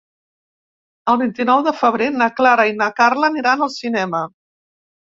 El vint-i-nou de febrer na Clara i na Carla aniran al cinema.